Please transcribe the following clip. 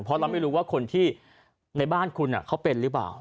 เพราะเราไม่รู้ว่าคนที่ในบ้านคุณเขาเป็นหรือเปล่า